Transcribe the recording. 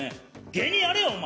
芸人やれよ、お前。